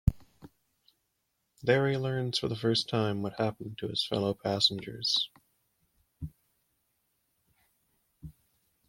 There he learns for the first time what happened to his fellow passengers.